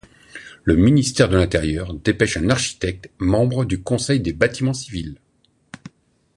Le ministère de l’intérieur dépêche un architecte membre du conseil des bâtiments civils.